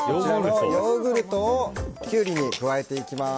ヨーグルトをキュウリに加えていきます。